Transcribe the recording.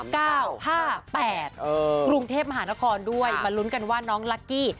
กรุงเทพมหานครด้วยมาลุ้นกันว่าน้องลักกี้